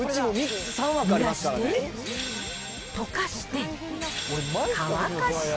ぬらして、とかして、乾かして。